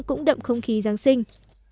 cũng đậm không khí giáng sinh